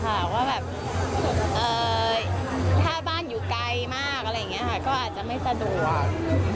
คุยกันเล่นค่ะว่าแบบเอ่อถ้าบ้านอยู่ไกลมากอะไรอย่างนี้ค่ะก็อาจจะไม่สะดวก